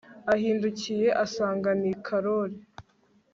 Ahindukiye asanga ni karori